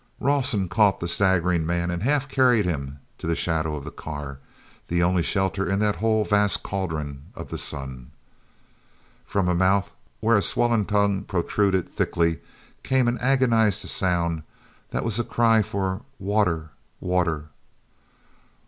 Rawson caught the staggering man and half carried him to the shadow of the car, the only shelter in that whole vast cauldron of the sun. From a mouth where a swollen tongue protruded thickly came an agonized sound that was a cry for, "Water—water!"